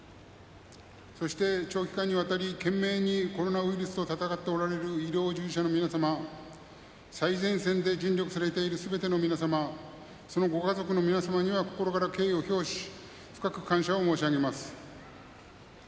そして、長期間にわたり懸命にコロナウイルスと闘っておられる医療従事者の皆様最前線で尽力されているすべての皆様そのご家族の皆様には心から敬意を表し深く感謝を申し上げます。